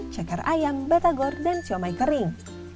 ceker ayam batagor dan siomay kering